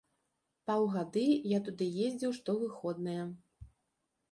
Паўгады я туды ездзіў штовыходныя.